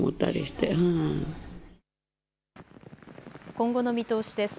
今後の見通しです。